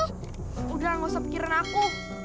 sudah enggak usah pikirin aku